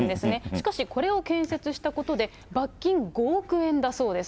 しかしこれを建設したことで、罰金５億円だそうです。